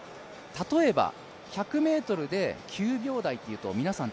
例えば１００ｍで９秒台というと皆さん